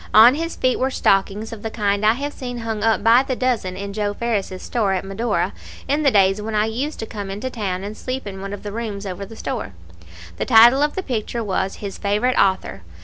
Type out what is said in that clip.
On his feet were stockings of the kind I have seen hung up by the dozen in Joe Ferris's store at Medora, in the days when I used to come in to town and sleep in one of the rooms over the store. The title of the picture was "His Favorite Author."